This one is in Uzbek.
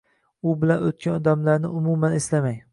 U bilan o`tgan damlarni umuman eslamang